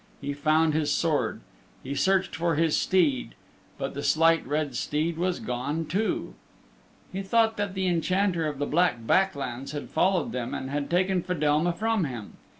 He found his sword; be searched for his steed, but the Slight Red Steed was gone too. He thought that the Enchanter of the Black Back Lands had followed them and had taken Fedelma from him.